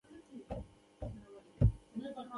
ایا زه ښکلول کولی شم؟